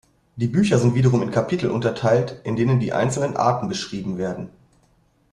Die Bücher sind wiederum in Kapitel unterteilt, in denen die einzelnen Arten beschrieben werden.